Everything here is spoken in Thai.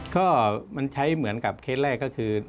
ก็มันใช้เหมือนกับเคสแรกก็คือ